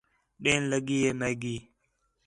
ݙیݨ لڳی ہے میگی